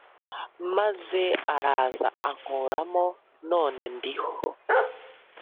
Maze araza ankuramo, None ndiho.